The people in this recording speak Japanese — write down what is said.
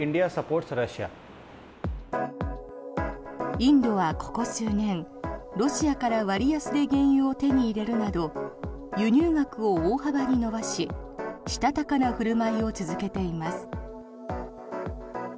インドはここ数年、ロシアから割安で原油を手に入れるなど輸入額を大幅に伸ばししたたかな振る舞いを続けています。